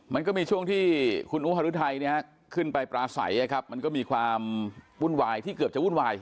มันก็มีช่วงที่คุณอุฮารุทัยขึ้นไปปราศัยมันก็มีความวุ่นวายที่เกือบจะวุ่นวาย